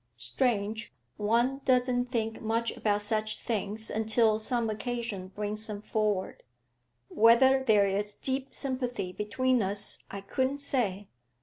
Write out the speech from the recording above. Strange one doesn't think much about such things till some occasion brings them forward. Whether there is deep sympathy between us, I couldn't say.